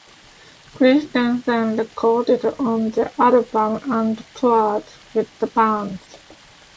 Christensen recorded on the album and toured with the band.